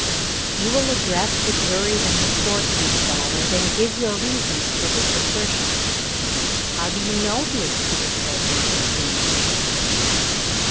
"You will address the jury and the court, Miss Ballard, and give your reasons for this assertion. How do you know he is Peter Craigmile, Jr.?"